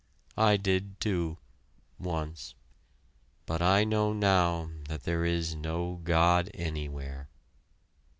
"I did, too once but I know now that there is no God anywhere."